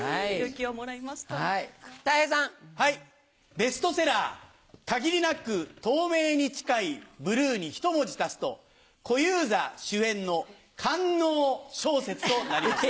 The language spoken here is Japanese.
ベストセラー『限りなく透明に近いブルー』にひと文字足すと小遊三主演の官能小説となりました。